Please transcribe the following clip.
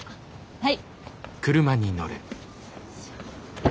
はい。